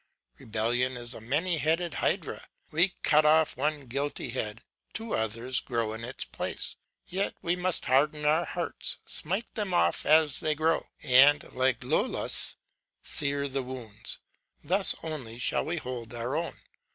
Rebellion is a many headed Hydra: we cut off one guilty head, two others grow in its place. Yet we must harden our hearts, smite them off as they grow, and like lolaus sear the wounds; thus only shall we hold our own.